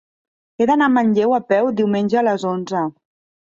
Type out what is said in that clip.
He d'anar a Manlleu a peu diumenge a les onze.